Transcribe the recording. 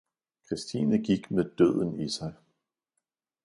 Christine gik med døden i sig.